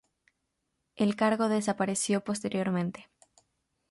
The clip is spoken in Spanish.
El cargo desapareció posteriormente.